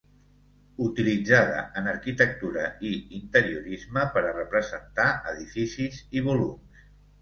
Utilitzada en arquitectura i interiorisme per a representar edificis i volums.